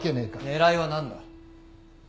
狙いは何だ？